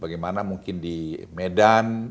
bagaimana mungkin di medan